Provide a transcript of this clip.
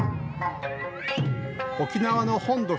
沖縄の本土